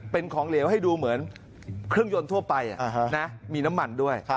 เป็นของเหลวให้ดูเหมือนเครื่องยนต์ทั่วไปมีน้ำมันด้วย